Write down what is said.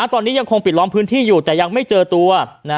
ตอนนี้ยังคงปิดล้อมพื้นที่อยู่แต่ยังไม่เจอตัว